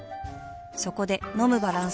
そこで飲むバランス栄養食